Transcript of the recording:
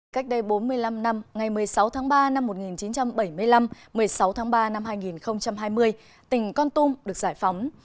cách đây bốn mươi năm năm ngày một mươi sáu tháng ba năm một nghìn chín trăm bảy mươi năm một mươi sáu tháng ba năm hai nghìn hai mươi tỉnh con tum được giải phóng